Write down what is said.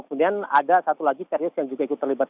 kemudian dari arah perlawanan datang terima sou exagger olang